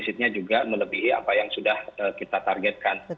isisnya juga melebihi apa yang sudah kita targetkan